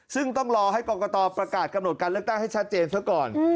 ซึ่งต้องรอให้กรกตประกาศกำหนดการเลือกตั้งให้ชัดเจนซะก่อน